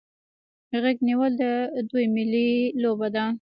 غیږ نیول د دوی ملي لوبه ده.